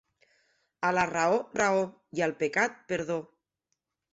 A la raó, raó, i al pecat, perdó.